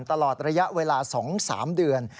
ตลอดระยะเวลา๒๓เดือน